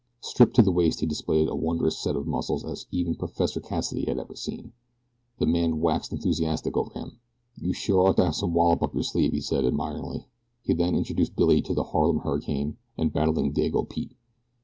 Stripped to the waist he displayed as wondrous a set of muscles as even Professor Cassidy had ever seen. The man waxed enthusiastic over them. "You sure ought to have some wallop up your sleeve," he said, admiringly. He then introduced Billy to the Harlem Hurricane, and Battling Dago Pete.